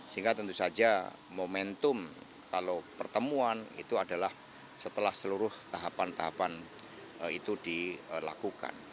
sehingga tentu saja momentum kalau pertemuan itu adalah setelah seluruh tahapan tahapan itu dilakukan